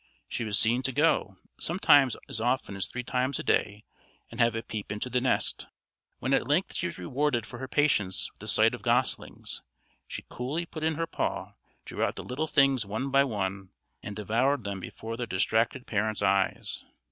She was seen to go, sometimes as often as three times a day, and have a peep into the nest. When at length she was rewarded for her patience with the sight of goslings, she coolly put in her paw, drew out the little things one by one and devoured them before their distracted parents' eyes.